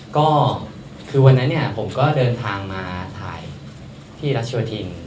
ก็คือวันนั้นเนี่ยผมก็เดินทางมาถ่ายที่รัชโยธิน